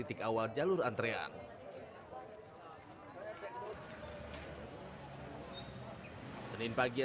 bicara efisiensi waktu pak ya